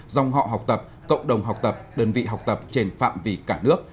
dòng họ học tập cộng đồng học tập đơn vị học tập trên phạm vi cả nước